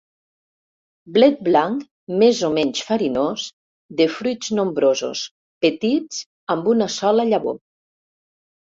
Blet blanc, més o menys farinós, de fruits nombrosos, petits, amb una sola llavor.